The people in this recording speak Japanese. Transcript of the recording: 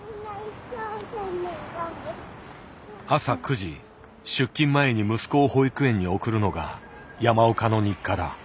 朝９時出勤前に息子を保育園に送るのが山岡の日課だ。